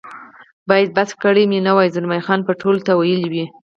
باید بس کړي مې وای، زلمی خان به ټولو ته ویلي وي.